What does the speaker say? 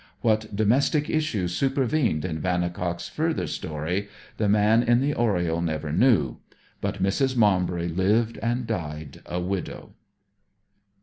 What domestic issues supervened in Vannicock's further story the man in the oriel never knew; but Mrs. Maumbry lived and died a widow.